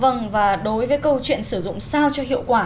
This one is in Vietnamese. vâng và đối với câu chuyện sử dụng sao cho hiệu quả